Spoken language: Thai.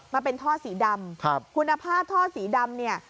มาเป็นท่อสีดำครับคุณภาพท่อสีดำเนี่ย